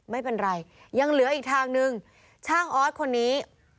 ไม่เป็นไรยังเหลืออีกทางนึงช่างออสคนนี้